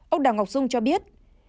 ông đào ngọc dung cho biết